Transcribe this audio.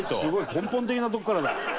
根本的なとこからだ。